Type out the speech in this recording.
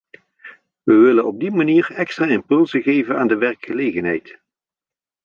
We willen op die manier extra impulsen geven aan de werkgelegenheid.